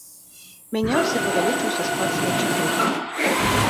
Мяняўся і павялічваўся склад следчай групы.